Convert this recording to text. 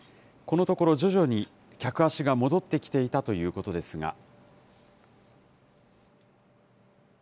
このところ徐々に客足が戻ってきていたということですが。